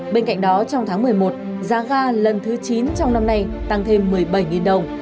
bên cạnh đó trong tháng một mươi một giá ga lần thứ chín trong năm nay tăng thêm một mươi bảy đồng